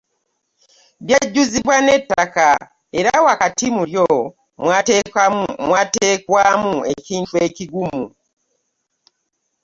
Lyajjuzibwa n'ettaka era wakati mu lyo mwateekwamu ekintu ekigumu.